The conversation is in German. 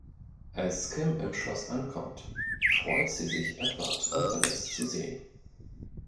Als Kim im Schloss ankommt, freut sie sich, Edward unverletzt zu sehen.